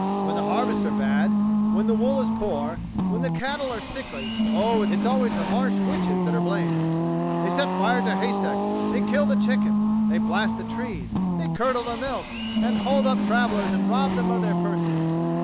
When the harvests are bad, when the wool is poor, when the cattle are sicklv, oh, it's alwavs the Marsh witches that are blamed. They set fire to haystacks, they kill the chickens, they blast the trees, they curdle the milk, and hold up travellers and rob them of their purses.